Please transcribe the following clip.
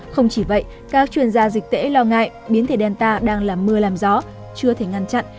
không chỉ vậy các chuyên gia dịch tễ lo ngại biến thể delta đang làm mưa làm gió chưa thể ngăn chặn